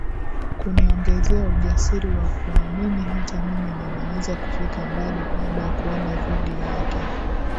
kuniongezea ujasiri wa kuamini hata mimi ninaweza kufika mbali baada ya kuona video yake